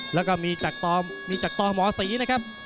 และก็จะมีจากต่อมสนธิพายินะครับ